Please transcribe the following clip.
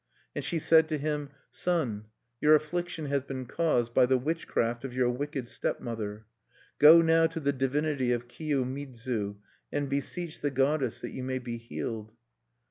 And she said to him: "Son, your affliction has been caused by the witchcraft of your wicked stepmother. Go now to the divinity of Kiyomidzu, and beseech the goddess that you may be healed."